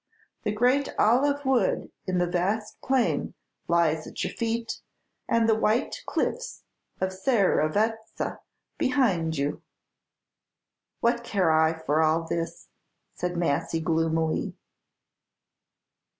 The great olive wood in the vast plain lies at your feet, and the white cliffs of Serravezza behind you." "What care I for all this?" said Massy, gloomily.